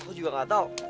aku juga gak tau